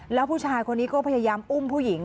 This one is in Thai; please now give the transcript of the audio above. แล้วผู้ชายคนนี้ก็พยายามอุ้มผู้หญิง